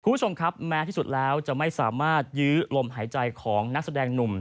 คุณผู้ชมครับแม้ที่สุดแล้วจะไม่สามารถยื้อลมหายใจของนักแสดงหนุ่ม